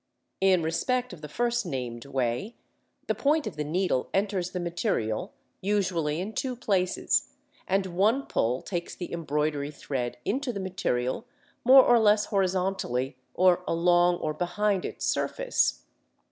In respect of the first named way, the point of the needle enters the material usually in two places, and one pull takes the embroidery thread into the material more or less horizontally, or along or behind its surface (Fig.